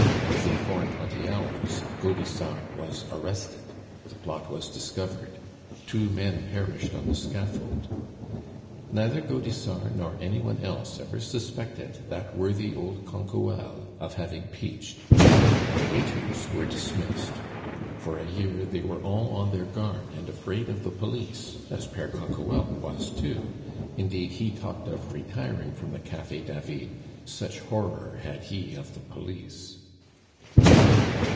Within four and twenty hours Gaudissart was arrested, the plot was discovered. Two men perished on the scaffold. Neither Gaudissart nor any one else ever suspected that worthy old Canquoelle of having peached. The waiters were dismissed; for a year they were all on their guard and afraid of the police as Pere Canquoelle was too; indeed, he talked of retiring from the Cafe David, such horror had he of the police.